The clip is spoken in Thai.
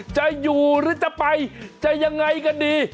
จะอยู่หรือจะไปจะยังไงกันดี